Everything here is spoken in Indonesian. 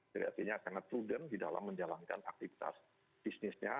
jadi artinya sangat prudent di dalam menjalankan aktivitas bisnisnya